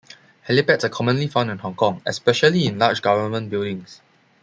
Helipads are commonly found in Hong Kong especially in large government buildings.